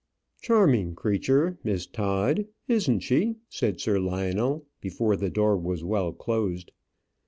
"Charming creature, Miss Todd; isn't she?" said Sir Lionel, before the door was well closed.